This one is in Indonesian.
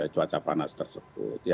cuaca panas tersebut